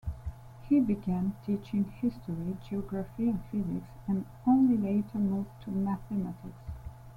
He began teaching history, geography and physics, and only later moved to mathematics.